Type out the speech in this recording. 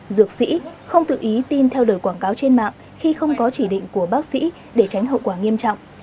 dược sĩ không tự ý tin theo đời quảng cáo trên mạng khi không có chỉ định của bác sĩ để tránh hậu quả nghiêm trọng